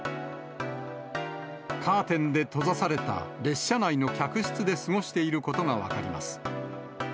カーテンで閉ざされた列車内の客室で過ごしていることが分かります。